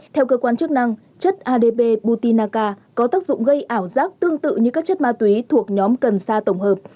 theo cơ quan chức năng chất adbutinaka có tác dụng gây ảo giác tương tự như các chất ma túy thuộc nhóm cần sa tổng hợp